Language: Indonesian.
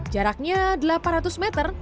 jaraknya delapan ratus meter